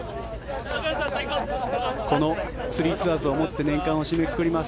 この３ツアーズをもって年間を締めくくります。